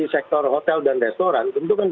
di sektor hotel dan restoran tentu kan